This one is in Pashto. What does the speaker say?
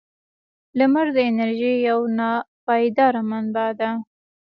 • لمر د انرژۍ یو ناپایدار منبع دی.